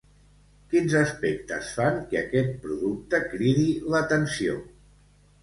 Quins aspectes fan que aquest producte cridi l'atenció?